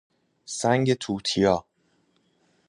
سنگ توتیا